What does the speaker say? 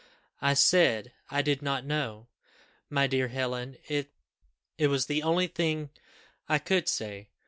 "I said I did not know. My dear Helen, it was the only thing I could say.